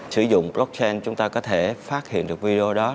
sử dụng blockchain chúng ta có thể phát hiện được video đó